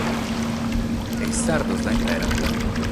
E is sardos la impreant?